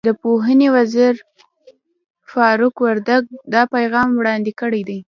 د پوهنې وزیر فاروق وردګ دا پیغام وړاندې کړی دی.